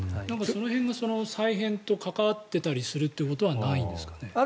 その辺が再編と関わっていたりするってことはないんですかね。